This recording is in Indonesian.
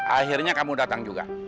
akhirnya kamu datang juga